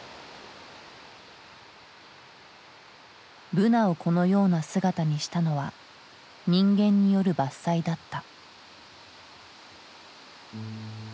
ブナをこのような姿にしたのは人間による伐採だった。